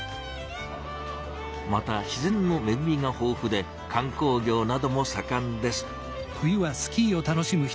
また自然のめぐみがほうふで観光業などもさかんです。